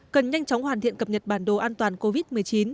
cần nhanh chóng hoàn thiện cập nhật bản đồ an toàn covid một mươi chín